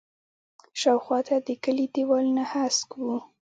شاوخوا ته د کلي دیوالونه هسک وو.